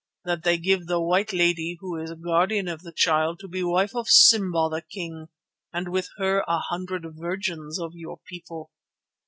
That they give the white lady who is Guardian of the Child to be a wife of Simba the King, and with her a hundred virgins of your people.